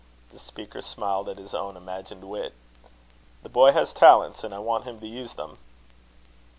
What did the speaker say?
(The speaker smiled at his own imagined wit.) "The boy has talents, and I want him to use them."